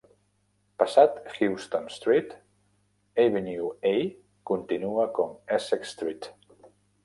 Passat Houston Street, Avenue A continua com Essex Street.